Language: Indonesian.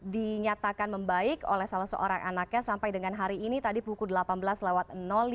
dinyatakan membaik oleh salah seorang anaknya sampai dengan hari ini tadi pukul delapan belas lewat lima puluh